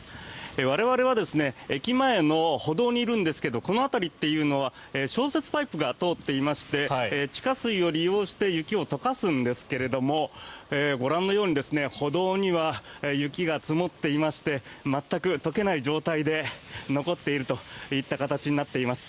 我々は駅前の歩道にいるんですけれどこの辺りというのは消雪パイプが通っていまして地下水を利用して雪を解かすんですがご覧のように歩道には雪が積もっていまして全く解けない状態で残っているという形になっています。